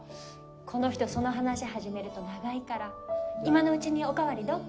この人その話始めると長いから今のうちにお代わりどう？